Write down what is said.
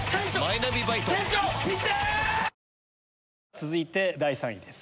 続いて第３位です！